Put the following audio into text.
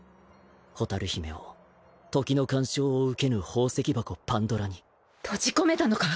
蛍姫を時の干渉を受けぬ宝石箱パンド閉じ込めたのか⁉